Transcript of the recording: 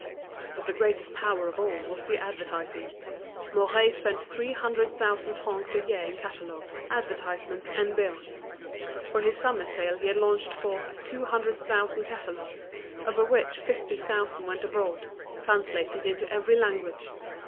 But the greatest power of all was the advertising. Mouret spent three hundred thousand francs a year in catalogues, advertisements, and bills. For his summer sale he had launched forth two hundred thousand catalogues, of which fifty thousand went abroad, translated into every language.